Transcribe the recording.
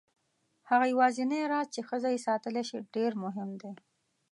هغه یوازینی راز چې ښځه یې ساتلی شي ډېر مهم دی.